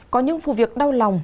có những vụ việc đau lòng